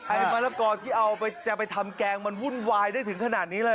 มะละกอที่เอาไปจะไปทำแกงมันวุ่นวายได้ถึงขนาดนี้เลย